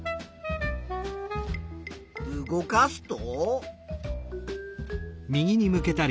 動かすと？